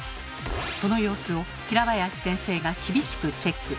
その様子を平林先生が厳しくチェック。